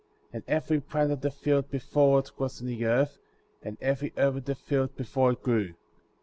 5. And every plant of the field before it was in the earth, and every herb of the field before it grew.